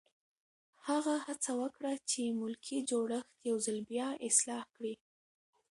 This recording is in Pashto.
هغه هڅه وکړه چې ملکي جوړښت یو ځل بیا اصلاح کړي.